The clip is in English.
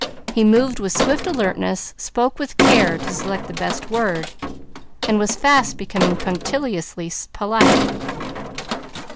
He moved with swift alertness, spoke with care to select the best word, and was fast becoming punctiliously polite.